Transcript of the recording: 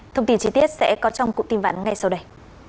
thông tin chi tiết sẽ có trong cụ tin vạn ngay sau đây